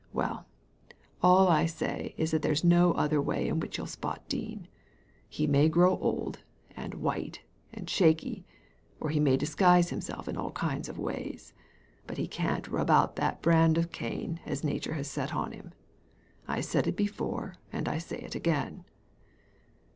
Well, all I say is that there's no other way in which you'll spot Dean. He may grow old, and white, and shaky, or he may disguise himself in all kinds of ways, but he can't rub out that brand of Cain as Nature has set on him. I said it before, and I say it again."